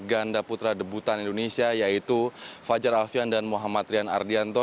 ganda putra debutan indonesia yaitu fajar alfian dan muhammad rian ardianto